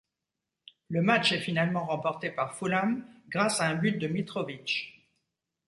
Le match est finalement remporté par Fulham grâce à un but de Mitrović.